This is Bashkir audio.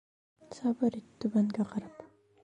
Сабыр ит түбәнгә ҡарап.